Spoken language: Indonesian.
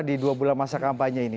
di dua bulan masa kampanye ini